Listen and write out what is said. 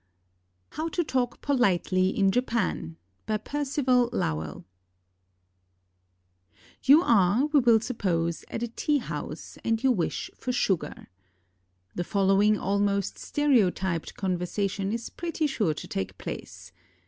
HOW TO TALK POLITELY IN JAPAN BY PERCIVAL LOWELL You are, we will suppose, at a tea house, and you wish for sugar. The following almost stereotyped conversation is pretty sure to take place.